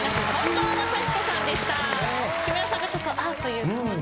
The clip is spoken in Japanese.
木村さんがちょっと「あっ」という顔をね。